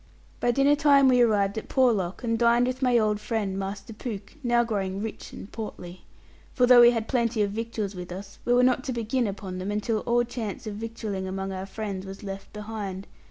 By dinner time we arrived at Porlock, and dined with my old friend, Master Pooke, now growing rich and portly. For though we had plenty of victuals with us we were not to begin upon them, until all chance of victualling among our friends was left behind.